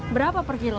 berapa per kilo